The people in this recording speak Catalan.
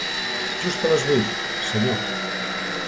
Just a les vuit, senyor.